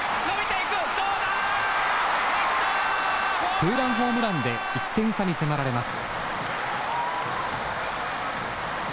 ツーランホームランで１点差に迫られます。